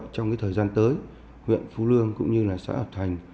trong thời gian tới huyện phú lương cũng như là xã hợp thành